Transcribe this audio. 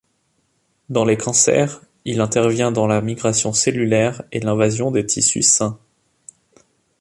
Dans les cancers, il intervient dans la migration cellulaire et l'invasion des tissus sains.